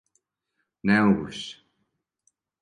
Не могу више!